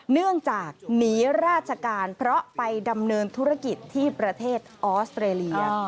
เนื่องจากหนีราชการเพราะไปดำเนินธุรกิจที่ประเทศออสเตรเลีย